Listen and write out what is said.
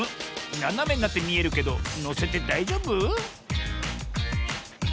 ななめになってみえるけどのせてだいじょうぶ？